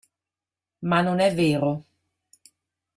Ma non è vero.